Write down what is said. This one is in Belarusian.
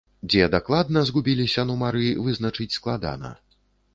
Дзе дакладна згубіліся нумары, вызначыць складана.